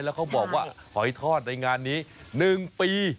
แล้วเขาบอกว่าหอยทอดในงานนี้๑ปี